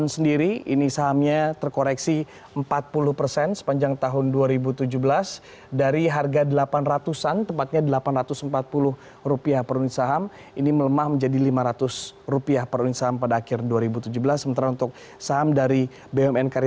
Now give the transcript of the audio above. sehingga ini lebih baik